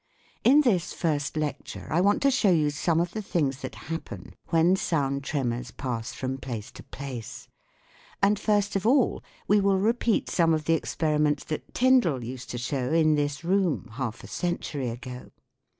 In this first lecture I want to show you some of the things that happen when sound tremors pass from place to place. And first of all we will repeat some of the experiments that Tyndall used to show in this room half a century ago.